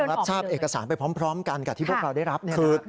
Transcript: รับทราบเอกสารไปพร้อมกันกับที่พวกเราได้รับ